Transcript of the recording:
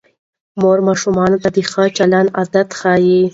مور ماشومانو ته د ښه چلند عادتونه ښيي